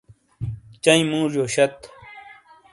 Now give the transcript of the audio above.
چنئی موژیو شت ۔۔